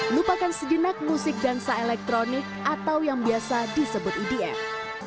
lepakan sejenak musik dan sa elektronik atau yang biasa disebut edm